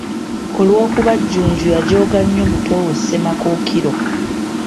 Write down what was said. Olw’okuba Jjunju yajooga nnyo muto we Ssemakookiro.